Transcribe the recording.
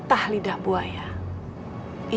atau jika bertindak dengan otak humano